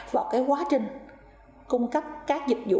vào quá trình cung cấp các dịch vụ